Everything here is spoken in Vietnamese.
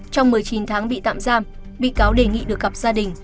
trong một mươi chín tháng bị tạm giam bị cáo đề nghị được gặp gia đình